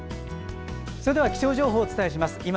それでは気象情報をお伝えします。